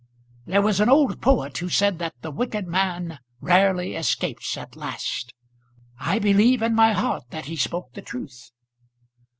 There was an old poet who said that the wicked man rarely escapes at last. I believe in my heart that he spoke the truth."